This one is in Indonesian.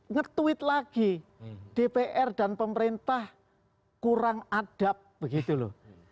nge tweet lagi dpr dan pemerintah kurang adab begitu loh